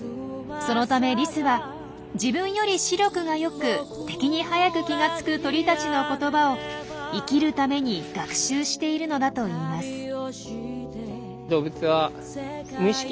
そのためリスは自分より視力が良く敵に早く気がつく鳥たちの言葉を生きるために学習しているのだといいます。